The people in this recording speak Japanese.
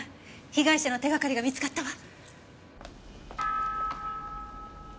被害者の手がかりが見つかったわ。